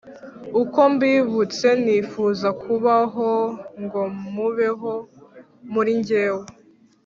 uko mbibutse nifuza kubaho ngo mubeho muri jyewe.